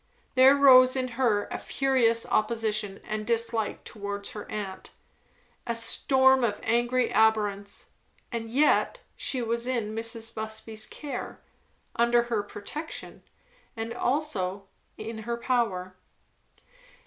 There rose in her a furious opposition and dislike towards her aunt, a storm of angry abhorrence. And yet, she was in Mrs. Busby's care, under her protection, and also in her power.